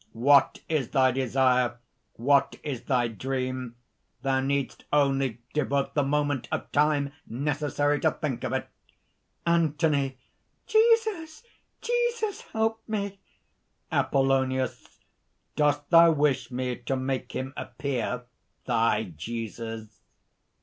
"What is thy desire? What is thy dream? Thou needst only devote the moment of time necessary to think of it ..." ANTHONY. "Jesus! Jesus! Help me!" APOLLONIUS. "Dost thou wish me to make him appear, thy Jesus?"